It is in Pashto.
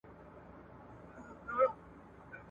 شاګرد باید خپله مسویده په وخت استاد ته وسپاري.